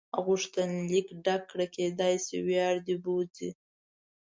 غوښتنلیک ډک کړه کېدای شي وړیا دې بوځي.